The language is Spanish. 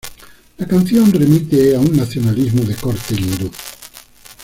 La canción remite a un nacionalismo de corte hindú.